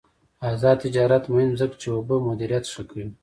آزاد تجارت مهم دی ځکه چې اوبه مدیریت ښه کوي.